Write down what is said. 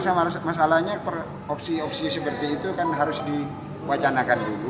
masalahnya opsi opsi seperti itu kan harus diwacanakan dulu